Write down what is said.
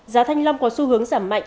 giá thanh long có xu hướng giảm mạnh